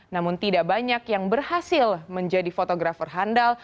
namun tidak banyak yang berhasil menjadi fotografer handal